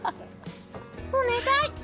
お願い！